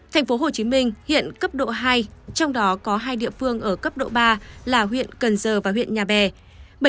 thành phố hồ chí minh hiện cấp độ hai trong đó có hai địa phương ở cấp độ ba là huyện cần giờ và huyện nhà bè